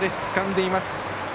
つかんでいます。